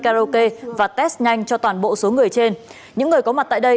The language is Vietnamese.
karaoke và test nhanh cho toàn bộ số người trên những người có mặt tại đây